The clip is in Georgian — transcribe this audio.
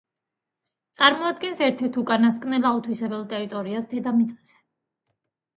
წარმოადგენს ერთ-ერთ უკანასკნელ აუთვისებელ ტერიტორიას დედამიწაზე.